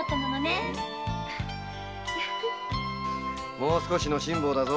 もう少しの辛抱だぞ。